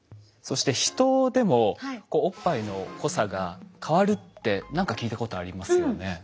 そしてヒトでもおっぱいの濃さが変わるって何か聞いたことありますよね。